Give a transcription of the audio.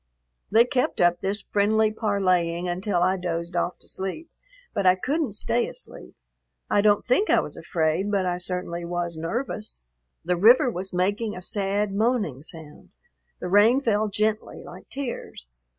They kept up this friendly parleying until I dozed off to sleep, but I couldn't stay asleep. I don't think I was afraid, but I certainly was nervous. The river was making a sad, moaning sound; the rain fell gently, like tears.